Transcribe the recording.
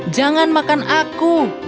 jangan makan aku